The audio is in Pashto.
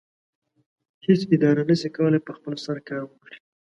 هیڅ اداره نشي کولی په خپل سر کار وکړي.